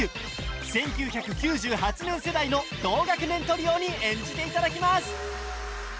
１９９８年世代の同学年トリオに演じて頂きます